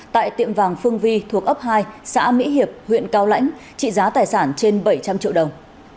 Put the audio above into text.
tại tiệm vàng phương vi thuộc ấp hai xã mỹ hiệp huyện cao lãnh trị giá tài sản trên bảy trăm linh triệu đồng